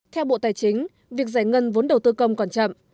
theo bộ tài chính việc giải ngân vốn đầu tư công còn chậm